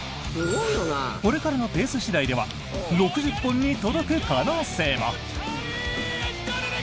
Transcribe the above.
これからのペース次第では６０本に届く可能性も。